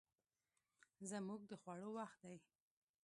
زموږ د خوړو وخت دی